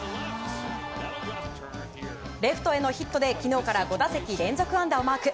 レフトへのヒットで昨日から５打席連続安打をマーク。